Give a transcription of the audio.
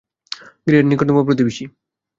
গৃহের নিকটতম প্রতিবেশী।